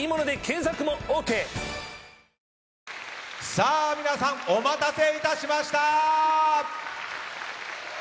さあ、皆さんお待たせいたしました！